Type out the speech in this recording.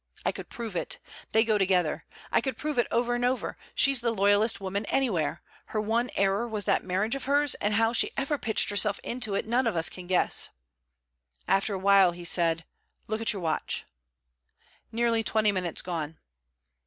I could prove it. They go together. I could prove it over and over. She 's the loyallest woman anywhere. Her one error was that marriage of hers, and how she ever pitched herself into it, none of us can guess.' After a while, he said: 'Look at your watch.' 'Nearly twenty minutes gone.'